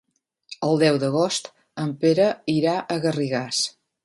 El deu d'agost en Pere irà a Garrigàs.